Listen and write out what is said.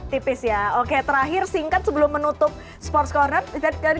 tipis ya oke terakhir singkat sebelum menutup sports corner